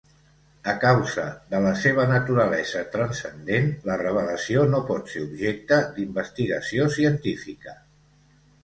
A causa de la seva naturalesa transcendent, la revelació no pot ser objecte d'investigació científica.